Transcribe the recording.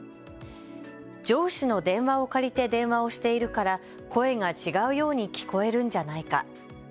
上司の電話を借りて電話をしているから声が違うように聞こえるんじゃないか。